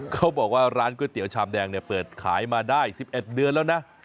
เขาบอกว่าร้านก๋วยเตี๋ยวชามแดงเนี่ยเปิดขายมาได้๑๑เดือนแล้วนะ